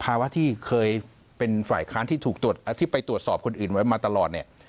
ภาวะที่เคยเป็นฝ่ายค้านที่ไปตรวจสอบคนอื่นไว้มาตลอดเนี่ย